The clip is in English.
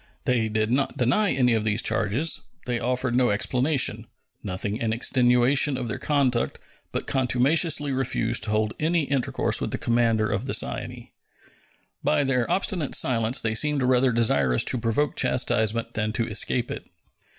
They did not deny any of these charges; they offered no explanation, nothing in extenuation of their conduct, but contumaciously refused to hold any intercourse with the commander of the Cyane. By their obstinate silence they seemed rather desirous to provoke chastisement than to escape it.